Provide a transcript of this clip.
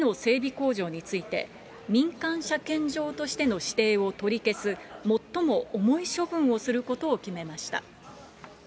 工場について、民間車検場としての指定を取り消す最も重い処分をすることを決めました。